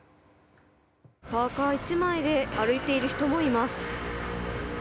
パーカ１枚で歩いている人もいます。